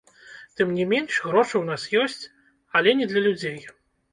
Тым не менш, грошы ў нас ёсць, але не для людзей.